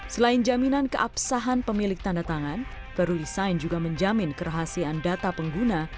selain jaminan keapsahan pemilik tanda tangan perurisign juga menjamin kerahasiaan data pengguna